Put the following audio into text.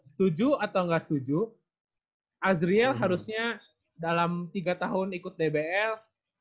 setuju atau enggak setuju azriel harusnya dalam tiga tahun ikut dbl